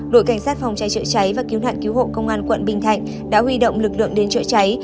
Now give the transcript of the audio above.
đội cảnh sát phòng cháy chữa cháy và cứu nạn cứu hộ công an quận bình thạnh đã huy động lực lượng đến chữa cháy